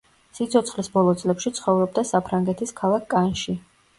სიცოცხლის ბოლო წლებში ცხოვრობდა საფრანგეთის ქალაქ კანში.